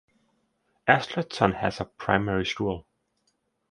Aslacton has a primary school.